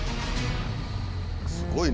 すごいね。